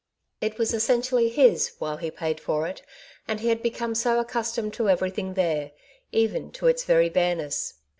It was essentially his, while he paid for it, and he Farewell to Clement House. i8i Lad become so accustomed to everything there, even to its very bareness.